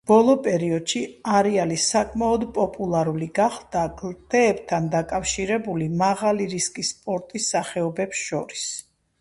ბოლო პერიოდში არეალი საკმაოდ პოპულარული გახდა კლდეებთან დაკავშირებულ მაღალი რისკის სპორტის სახეობებს შორის.